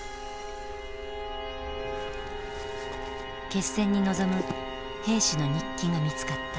決戦に臨む兵士の日記が見つかった。